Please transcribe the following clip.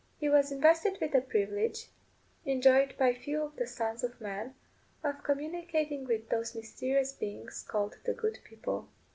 He was invested with the privilege, enjoyed by few of the sons of men, of communicating with those mysterious beings called "the good people."